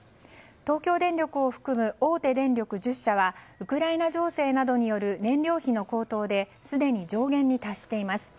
東京電力を含む大手電力１０社はウクライナ情勢などによる燃料費の高騰ですでに上限に達しています。